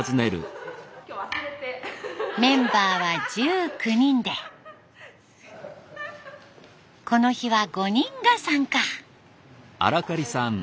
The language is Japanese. メンバーは１９人でこの日は５人が参加。